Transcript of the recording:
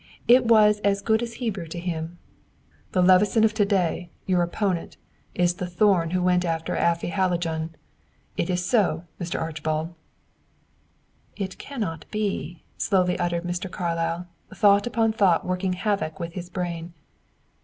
It was as good as Hebrew to him. "The Levison of to day, your opponent, is the Thorn who went after Afy Hallijohn. It is so, Mr. Archibald." "It cannot be!" slowly uttered Mr. Carlyle, thought upon thought working havoc with his brain.